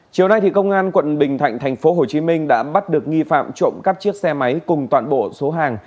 chiều nay công an quận bình thạnh tp hcm đã bắt được nghi phạm trộm cắp chiếc xe máy cùng toàn bộ số hàng